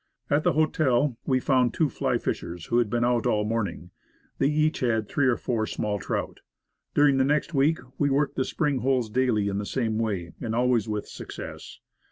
At the hotel we found two fly fishers who had been out all the morning. They each had three or four small trout. During the next week we worked the spring holes Night Fishing. 5 7 daily in the same way, and always with success.